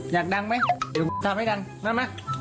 อย่าแกล้งน้อง